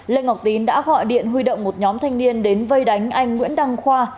lê ngọc tín đã gọi điện huy động một nhóm thanh niên đến vây đánh anh nguyễn đăng khoa